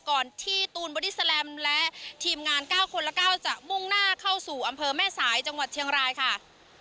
ก่อนที่ตูนบอดี้แลมและทีมงาน๙คนละ๙จะมุ่งหน้าเข้าสู่อำเภอแม่สายจังหวัดเชียงรายค่ะ